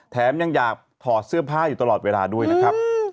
แถมยังอยากถอดเสื้อผ้าอยู่ตลอดเวลาด้วยนะครับ